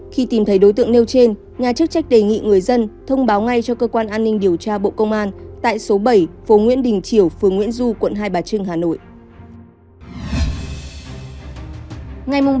khi tìm thấy đối tượng nêu trên nhà chức trách đề nghị người dân thông báo ngay cho cơ quan an ninh điều tra bộ công an tại số bảy phố nguyễn đình triều phường nguyễn du quận hai bà trưng hà nội